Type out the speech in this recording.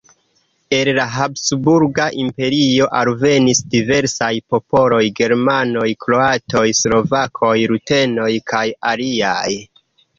El la Habsburga Imperio alvenis diversaj popoloj: germanoj, kroatoj, slovakoj, rutenoj kaj aliaj.